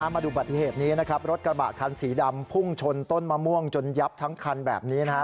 มาดูบัติเหตุนี้นะครับรถกระบะคันสีดำพุ่งชนต้นมะม่วงจนยับทั้งคันแบบนี้นะฮะ